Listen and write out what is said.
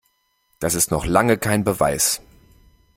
Das ist noch lange kein Beweis.